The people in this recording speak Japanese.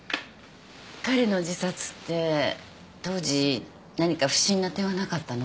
彼の自殺って当時何か不審な点はなかったの？